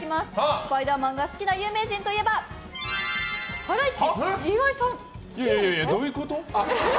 「スパイダーマン」が好きな有名人といえばハライチ岩井さん。